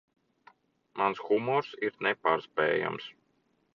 Mans humors ir nepārspējams.